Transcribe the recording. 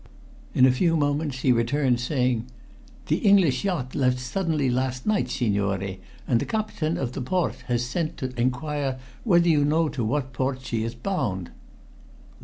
In a few moments he returned, saying "The English yacht left suddenly last night, signore, and the Captain of the Port has sent to inquire whether you know to what port she is bound."